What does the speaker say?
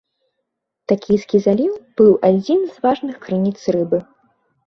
Такійскі заліў быў адзін з важных крыніц рыбы.